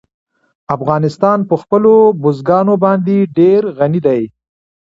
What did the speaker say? افغانستان په خپلو بزګانو باندې ډېر غني دی.